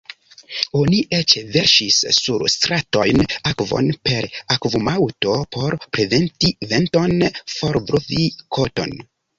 Oni eĉ verŝis sur stratojn akvon per akvumaŭto por preventi venton forblovi koton.